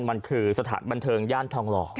มันคือสถานบันเทิงย่านทองหล่อ